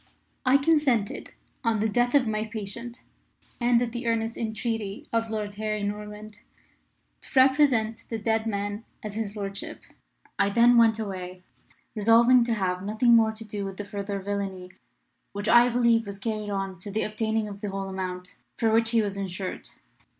I consented, on the death of my patient, and at the earnest entreaty of Lord Harry Norland, to represent the dead man as his lordship. I then went away, resolving to have nothing more to do with the further villainy which I believe was carried on to the obtaining of the whole amount for which he was insured.